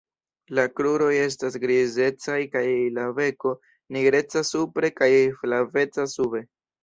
La kruroj estas grizecaj kaj la beko nigreca supre kaj flaveca sube.